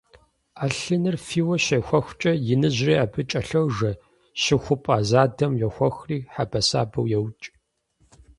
Ӏэлъыныр фийуэ щехуэхкӀэ иныжьри абы кӀэлъожэ, щыхупӏэ задэм йохуэхри хьэбэсабэу еукӀ.